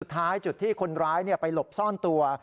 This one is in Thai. ท้ายจุดที่คนร้ายไปหลบซ่อนตัว